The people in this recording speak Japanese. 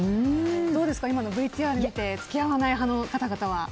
どうですか、今のＶＴＲ見て付き合わない派の方々は。